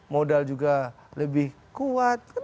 modal juga lebih kuat